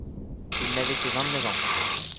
Il n'avait que vingt-neuf ans.